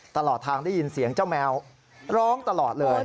ตลอดทางได้ยินเสียงเจ้าแมวร้องตลอดเลย